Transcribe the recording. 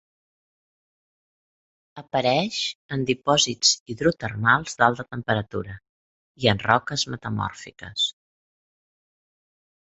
Apareix en dipòsits hidrotermals d'alta temperatura, i en roques metamòrfiques.